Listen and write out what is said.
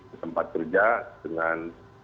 ke tempat kerja dengan